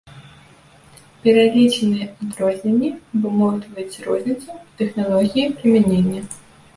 Пералічаныя адрозненні абумоўліваюць розніцу ў тэхналогіі прымянення.